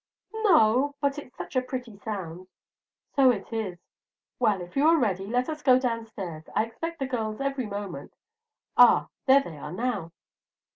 "No but it's such a pretty sound." "So it is. Well, if you are ready, let us go downstairs. I expect the girls every moment. Ah, there they are now!"